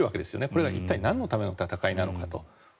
これが一体なんのための戦いなのかと。